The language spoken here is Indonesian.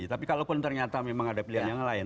tapi kalau pun ternyata memang ada pilihan yang lain